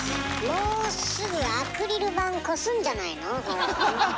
もうすぐアクリル板越すんじゃないの？